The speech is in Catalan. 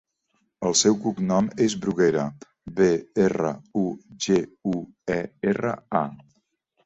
El seu cognom és Bruguera: be, erra, u, ge, u, e, erra, a.